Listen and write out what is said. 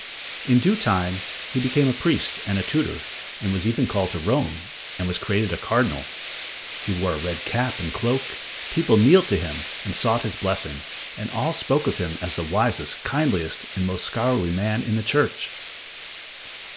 In due time, he became a priest and a tutor and was even called to Rome and was created a cardinal. He wore a red cap and cloak, people kneeled to him and sought his blessing, and all spoke of him as the wisest, kindliest and most scholarly man in the Church.